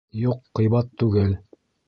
Юҡ ҡыйбат түгел